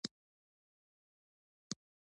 زما لور مینه نومیږي